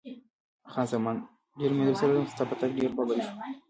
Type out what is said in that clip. خان زمان: ډېره مینه درسره لرم، ستا په تګ ډېره خوابدې شوم.